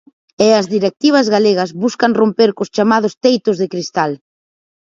E as directivas galegas buscan romper cos chamados teitos de cristal.